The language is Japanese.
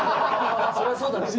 そりゃそうだろって。